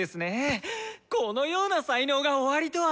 このような才能がおありとは！